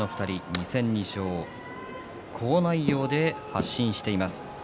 ２戦２勝好内容で発信しています。